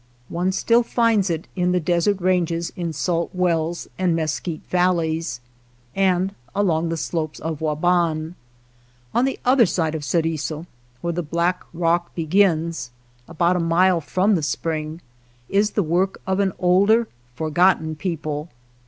One still finds it in the desert ranges in Salt Wells and Mesquite valleys, and along the slopes of Waban. On the other side of Ceriso, where the black rock begins, about a mile from the spring, is the work of an older, forgotten people.